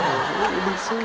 うれしいな。